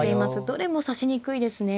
どれも指しにくいですね。